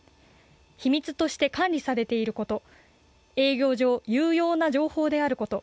秘密としてかんりされていること営業上、有用な情報であること、